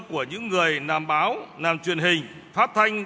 của những người làm báo làm truyền hình phát thanh